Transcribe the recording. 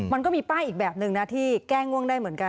มันก็มีป้ายอีกแบบนึงนะที่แก้ง่วงได้เหมือนกัน